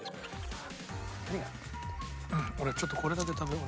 俺ちょっとこれだけ食べよう。